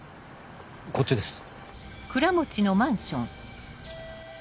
こっちです。